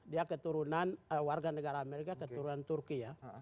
dia keturunan warga negara amerika keturunan turki ya